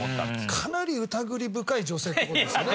かなりうたぐり深い女性って事ですよね。